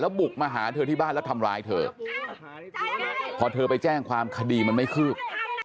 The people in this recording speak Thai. บุกมาหาเธอที่บ้านแล้วทำร้ายเธอพอเธอไปแจ้งความคดีมันไม่คืบ